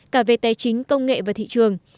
cả về tài chính công nghệ và thị trường